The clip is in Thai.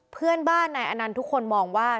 เพื่อนบ้านนายอนันต์ทุกคนมองว่า